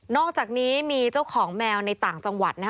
อกจากนี้มีเจ้าของแมวในต่างจังหวัดนะฮะ